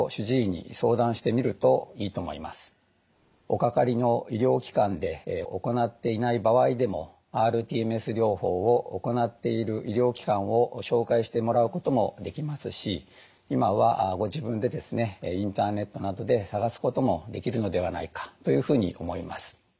おかかりの医療機関で行っていない場合でもｒＴＭＳ療法を行っている医療機関を紹介してもらうこともできますし今はご自分でインターネットなどで探すこともできるのではないかというふうに思います。